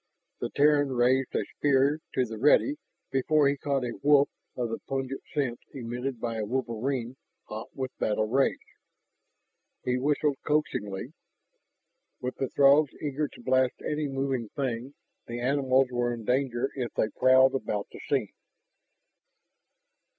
The Terran raised a spear to the ready before he caught a whiff of the pungent scent emitted by a wolverine hot with battle rage. He whistled coaxingly. With the Throgs eager to blast any moving thing, the animals were in danger if they prowled about the scene.